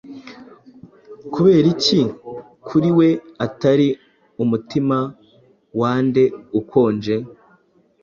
kubera iki kuri we atari Umutima wa nde ukonje?